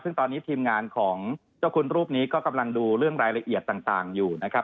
ซึ่งตอนนี้ทีมงานของเจ้าคุณรูปนี้ก็กำลังดูเรื่องรายละเอียดต่างอยู่นะครับ